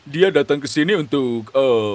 dia datang ke sini untuk